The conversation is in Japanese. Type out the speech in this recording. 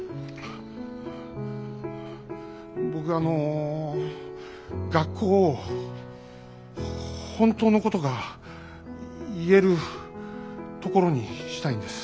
僕はあの学校を本当のことが言えるところにしたいんです。